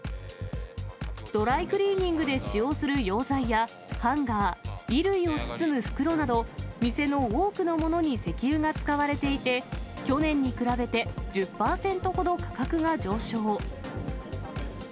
ドライクリーニングで使用する溶剤や、ハンガー、衣類を包む袋など、店の多くのものに石油が使われていて、去年に比べて１０％ほど価格が上昇。